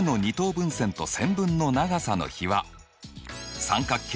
分線と線分の長さの比は三角形